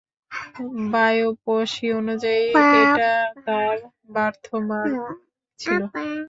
Biopsy অনুযায়ী, এটা তার বার্থমার্ক ছিল।